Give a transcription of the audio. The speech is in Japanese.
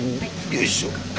よいしょ。